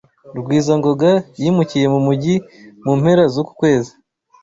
Rugwizangoga yimukiye mu mujyi mu mpera zuku kwezi.